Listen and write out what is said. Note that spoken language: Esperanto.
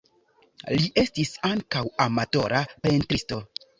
Li estis ankaŭ amatora pentristo.